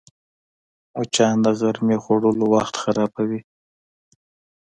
مچان د غرمې خوړلو وخت خرابوي